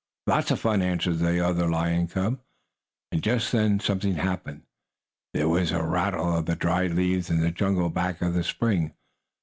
"Lots of fun!" answered the other lion cub. And just then something happened. There was a rattle of the dried leaves in the jungle back of the spring.